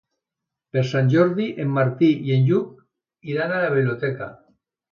Per Sant Jordi en Martí i en Lluc iran a la biblioteca.